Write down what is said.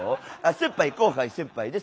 先輩後輩先輩です